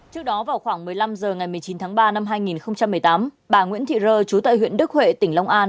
trước đó vào khoảng một mươi năm h ngày một mươi chín tháng ba năm hai nghìn một mươi tám bà nguyễn thị rơ trú tại huyện đức huệ tỉnh long an